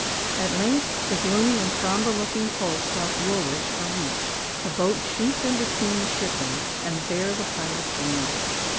At length the gloomy and sombre looking hulks off Woolwich are reached: the boat shoots in between the shipping; and there the pirates landed.